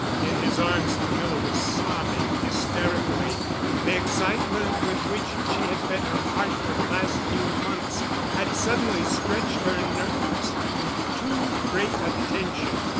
In his arms Camilla was sobbing hysterically. The excitement with which she had fed her heart for the last few months had suddenly stretched her nerves to too great a tension.